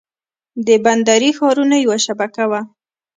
د بندري ښارونو یوه شبکه وه